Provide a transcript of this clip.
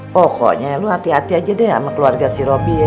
pokoknya lo hati hati aja deh sama keluarga si robi ye